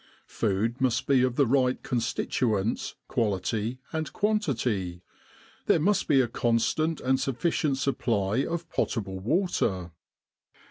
Food must be of the right constituents, quality, and quantity. There must be a constant and sufficient supply of potable water.